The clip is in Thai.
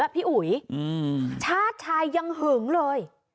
พี่อุ๋ยชาติชายยังหึงเลย